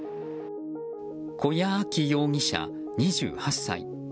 古屋亜希容疑者、２８歳。